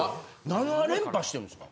・７連覇してるんですか？